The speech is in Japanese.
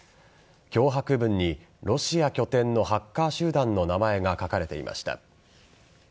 脅迫文に、ロシア拠点のハッカー集団の名前が書かれていました。